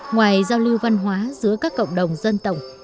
ngoài giao lưu văn hóa giữa các cộng đồng dân tộc